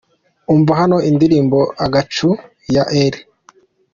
Umva hano indirimbo Agacu ya R.